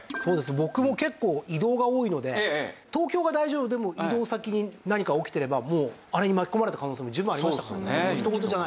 僕も結構移動が多いので東京が大丈夫でも移動先に何か起きていればもうあれに巻き込まれた可能性も十分ありましたからね。